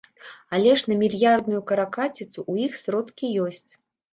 Але ж на мільярдную каракаціцу ў іх сродкі ёсць.